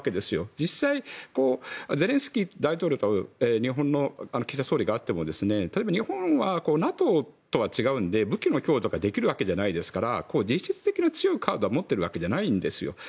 実際、ゼレンスキー大統領と日本の岸田総理が会っても日本はＮＡＴＯとは違うので武器の供与とかできるわけじゃないですから実質的な強いカードを持っているわけではないんです。